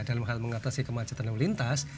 dalam hal mengatasi kemacetan lalu lintas